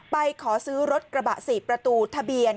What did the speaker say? ไปขอซื้อรถกระบะ๔ประตูทะเบียน